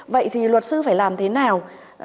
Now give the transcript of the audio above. vậy thì luật sư phải làm thế nào